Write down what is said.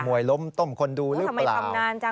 วยล้มต้มคนดูหรือเปล่า